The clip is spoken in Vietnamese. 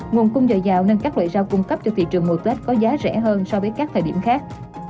nguồn cung dồi dào nên các loại rau cung cấp cho thị trường mùa tết có giá rẻ hơn so với các thời điểm khác